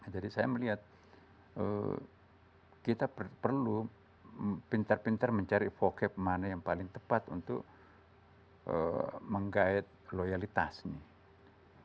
jadi saya melihat kita perlu pintar pintar mencari vocab mana yang paling tepat untuk menggait loyalitas nih